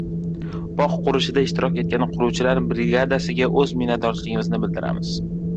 Bog' qurilishida ishtirok etgan quruvchilar brigadasiga o'z minnatdorchiligimizni bildiramiz!